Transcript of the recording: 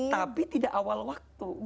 tapi tidak awal waktu